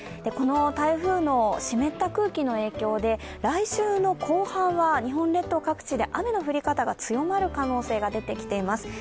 この台風の湿った空気の影響で来週の後半は日本列島各地で雨の降り方が可能性が出てきています。